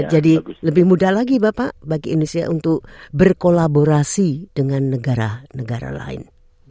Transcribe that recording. jadi lebih mudah lagi bapak bagi indonesia untuk berkolaborasi dengan negara negara lain